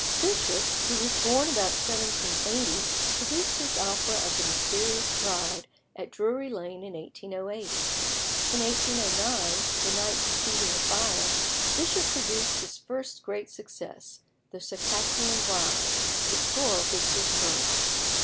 Bishop, who was born about 1780, produced his opera of "The Mysterious Bride" at Drury Lane in 1808. In 1809, the night preceding the fire, Bishop produced his first great success, "The Circassian Bride," the score of which was burnt.